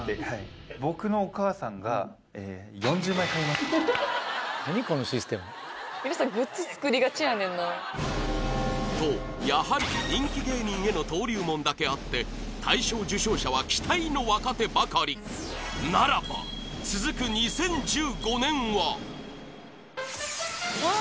ねとった時がとやはり人気芸人への登竜門だけあって大賞受賞者は期待の若手ばかりならば続く２０１５年は？